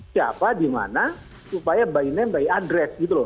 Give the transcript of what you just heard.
siapa di mana supaya by name by address gitu loh